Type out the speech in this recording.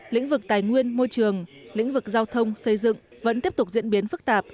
lĩnh vực tài nguyên môi trường lĩnh vực giao thông xây dựng vẫn tiếp tục diễn biến phức tạp